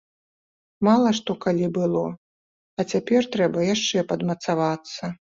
Мала што калі было, а цяпер трэба яшчэ падмацавацца.